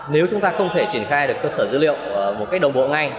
nếu chúng ta không thể triển khai được cơ sở dữ liệu một cách đồng bộ ngay